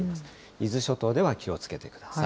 伊豆諸島では気をつけてください。